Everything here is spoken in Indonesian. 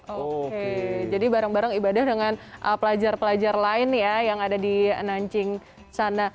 oke jadi bareng bareng ibadah dengan pelajar pelajar lain ya yang ada di nanjing sana